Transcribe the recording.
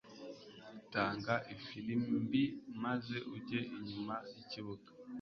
Tanga ifirimbi maze ujye inyuma y ikibuga